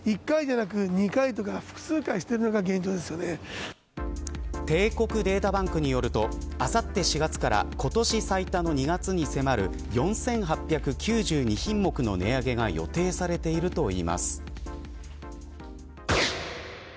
「ＷＩＤＥＪＥＴ」帝国データバンクによるとあさって４月から今年最多の２月に迫る４８９２品目の値上げが予定されているといいます。